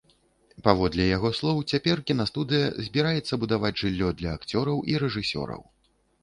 Паводле яго слоў, цяпер кінастудыя збіраецца будаваць жыллё для акцёраў і рэжысёраў.